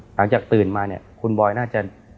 หลังจากตื่นมาเนี่ยคุณบอยน่าจะ